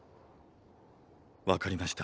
わかりました。